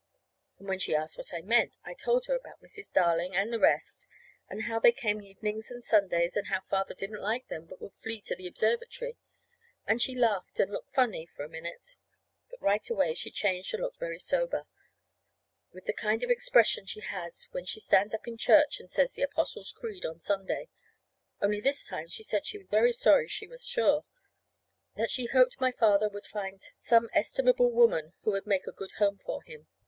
And when she asked what I meant, I told her about Mrs. Darling, and the rest, and how they came evenings and Sundays, and how Father didn't like them, but would flee to the observatory. And she laughed and looked funny, for a minute. But right away she changed and looked very sober, with the kind of expression she has when she stands up in church and says the Apostles' Creed on Sunday; only this time she said she was very sorry, she was sure; that she hoped my father would find some estimable woman who would make a good home for him.